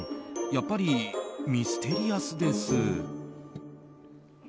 やっぱりミステリアスです。